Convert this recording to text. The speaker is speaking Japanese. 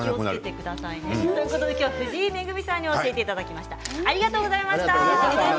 藤井恵さんに教えていただきました。